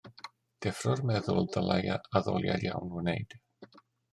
Deffro'r meddwl ddylai addoliad iawn wneud.